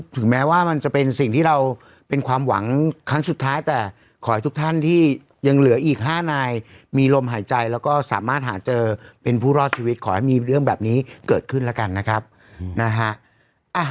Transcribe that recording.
ถึงแม้ว่ามันจะเป็นสิ่งที่เราเป็นความหวังครั้งสุดท้ายแต่ขอให้ทุกท่านที่ยังเหลืออีก๕นายมีลมหายใจแล้วก็สามารถหาเจอเป็นผู้รอดชีวิตขอให้มีเรื่องแบบนี้เกิดขึ้นแล้วกันนะครับนะฮะ